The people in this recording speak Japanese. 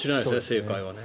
正解はね。